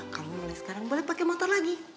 kamu mulai sekarang boleh pakai motor lagi